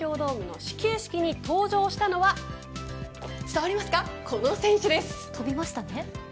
東京ドームの始球式に登場したのは伝わりますか、この選手です。